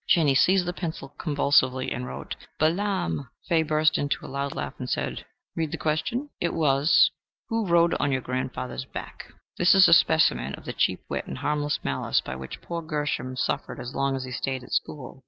Chaney seized the pencil convulsively and wrote, "Balaam!" Fay burst into a loud laugh and said, "Read the question?" It was, "Who rode on your grandfather's back?" This is a specimen of the cheap wit and harmless malice by which poor Gershom suffered as long as he stayed at school.